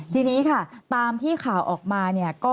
ทีนี้ตามที่ข่าวออกมา